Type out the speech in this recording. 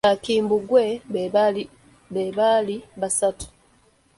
Bakimbugwe be baali basatu.